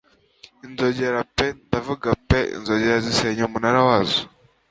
Inzogera pe ndavuga pe inzogera zisenya umunara wazo;